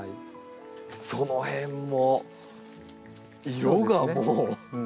その辺も色がもう！